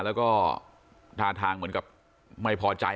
แล้วก็ท่าทางเหมือนกับไม่พอใจ